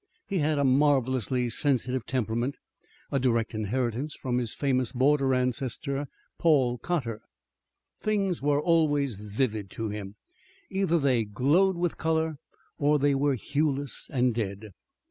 He had a marvellously sensitive temperament, a direct inheritance from his famous border ancestor, Paul Cotter. Things were always vivid to him. Either they glowed with color, or they were hueless and dead.